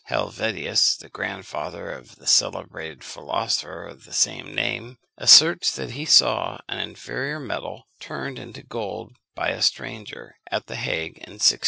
Helvetius, the grandfather of the celebrated philosopher of the same name, asserts that he saw an inferior metal turned into gold by a stranger, at the Hague, in 1666.